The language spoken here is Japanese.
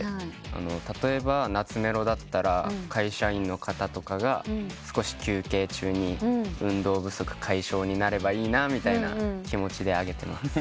例えば懐メロだったら会社員の方とかが少し休憩中に運動不足解消になればいいなって気持ちで上げてます。